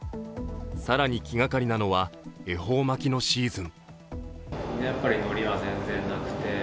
更に気がかりなのは恵方巻きのシーズン。